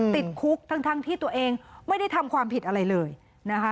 ติดคุกทั้งที่ตัวเองไม่ได้ทำความผิดอะไรเลยนะคะ